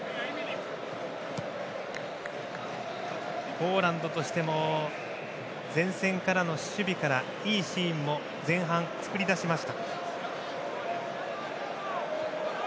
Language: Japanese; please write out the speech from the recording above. ポーランドとしても前線からの守備からいいシーンも前半作り出しました。